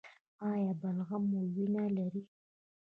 ایا بلغم مو وینه لري؟